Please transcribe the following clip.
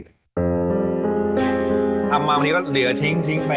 น้ำมาวันนี้เราส่งไป